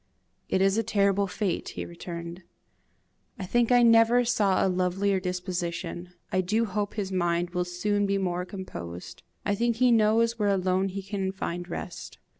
"It is a terrible fate," he returned. "I think I never saw a lovelier disposition. I do hope his mind will soon be more composed. I think he knows where alone he can find rest.